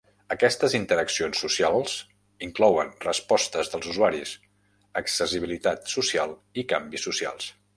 Aquestes interaccions socials inclouen respostes dels usuaris, accessibilitat social i canvis socials.